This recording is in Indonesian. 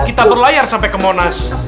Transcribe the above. kita berlayar sampai ke monas